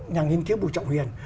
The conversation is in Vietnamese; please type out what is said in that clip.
nhà nghiên cứu bù trọng huyền